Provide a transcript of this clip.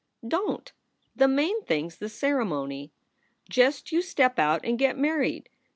"Don t. The main thing s the ceremony. Just you step out and get married.